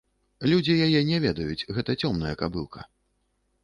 Людзі яе не ведаюць, гэта цёмная кабылка.